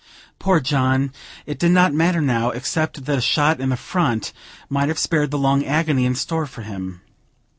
Poor John! it did not matter now, except that a shot in the front might have spared the long agony in store for him.